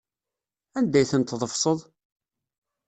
Anda ay tent-tḍefseḍ?